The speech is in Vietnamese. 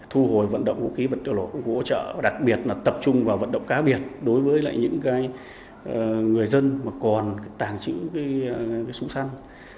thu hồi vận động vũ khí vật liệu nổ công cụ hỗ trợ đặc biệt là tập trung vào vận động cá biệt đối với những người dân mà còn tàng trữ súng săn